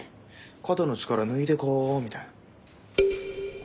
「肩の力抜いてこう」みたいな。